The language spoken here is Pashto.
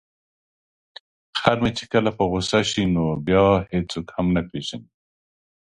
خر مې چې کله په غوسه شي نو بیا هیڅوک هم نه پيژني.